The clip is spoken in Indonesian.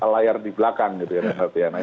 layar di belakang gitu ya